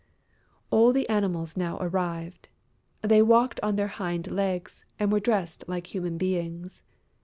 All the Animals now arrived. They walked on their hind legs and were dressed like human beings.